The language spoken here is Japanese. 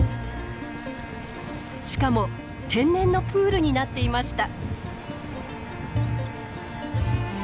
しかも天然のプールになっていました。